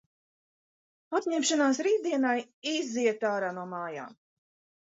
Apņemšanās rītdienai – iziet ārā no mājām.